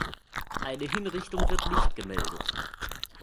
Eine Hinrichtung wird nicht gemeldet.